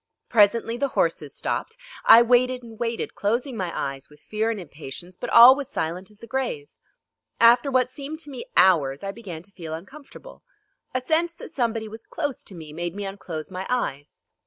Presently the horses stopped. I waited and waited, closing my eyes with ear and impatience, but all was silent as the grave. After what seemed to me hours, I began to feel uncomfortable. A sense that somebody was close to me made me unclose my eyes.